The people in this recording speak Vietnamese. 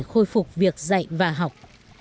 khôi phục việc dạy và học